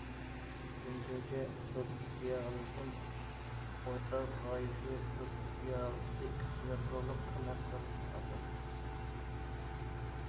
جۇڭگوچە سوتسىيالىزم ئورتاق غايىسى سوتسىيالىستىك يادرولۇق قىممەت قارىشىنىڭ ئاساسى.